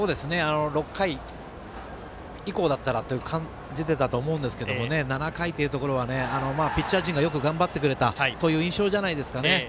６回以降だったらと感じていたと思うんですけど７回というところはピッチャー陣がよく頑張ってくれたという印象じゃないですかね。